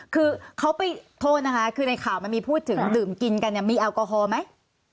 คือเขาไปโทษนะคะคือในข่าวมันมีพูดถึงดื่มกินกันเนี่ยมีแอลกอฮอล์ไหม